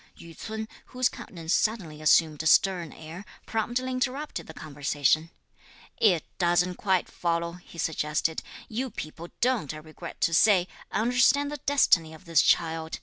Yü ts'un, whose countenance suddenly assumed a stern air, promptly interrupted the conversation. "It doesn't quite follow," he suggested. "You people don't, I regret to say, understand the destiny of this child.